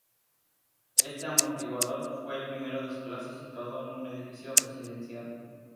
Este amortiguador fue el primero de su clase situado en un edificio residencial.